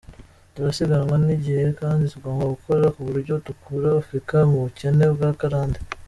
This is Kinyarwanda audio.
Turasiganwa n’igihe kandi tugomba gukora k’uburyo dukura Africa mu bukene bw’akarande.